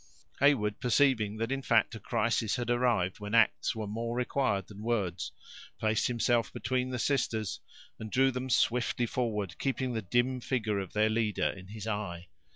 Heyward perceiving that, in fact, a crisis had arrived, when acts were more required than words, placed himself between the sisters, and drew them swiftly forward, keeping the dim figure of their leader in his eye.